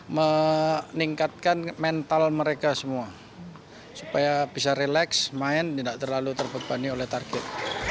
meningkatkan mental mereka semua supaya bisa relax main tidak terlalu terbebani oleh target